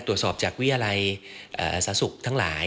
ตรวจสอบจากวิทยาลัยสาศุกร์ทั้งหลาย